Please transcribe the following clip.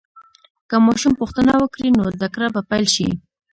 که ماشوم پوښتنه وکړي، نو زده کړه به پیل شي.